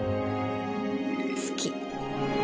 好き。